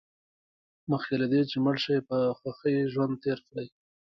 مخکې له دې چې مړ شئ په خوښۍ ژوند تېر کړئ.